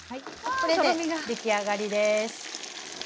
これで出来上がりです。